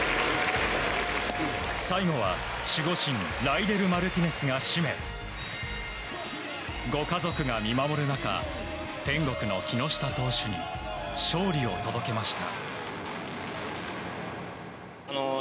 最後は守護神ライデル・マルティネスが締めご家族が見守る中天国の木下投手に勝利を届けました。